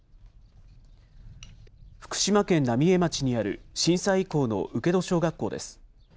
福島県浪江町にある震災遺構の請戸小学校です。